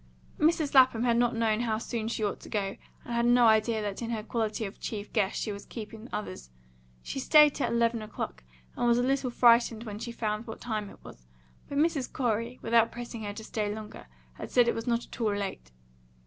Mrs. Lapham had not known how soon she ought to go, and had no idea that in her quality of chief guest she was keeping the others. She stayed till eleven o'clock, and was a little frightened when she found what time it was; but Mrs. Corey, without pressing her to stay longer, had said it was not at all late.